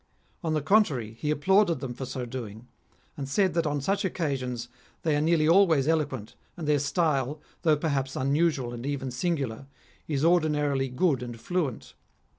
On the contrary, he applauded them for so doing, and said that on such occasions they are nearly always eloquent, and their style, though perhaps unusual and even singular, is ordinarily good and fluent.